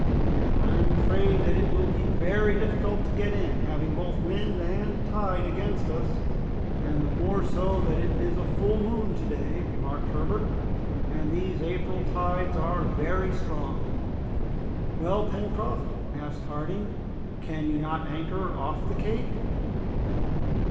I am afraid that it will be very difficult to get in, having both wind and tide against us." "And the more so that it is a full moon to day," remarked Herbert, "and these April tides are very strong." "Well, Pencroft," asked Harding, "can you not anchor off the Cape?"